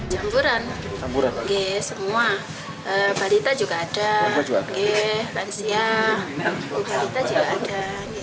jamburan semua balita juga ada tansia balita juga ada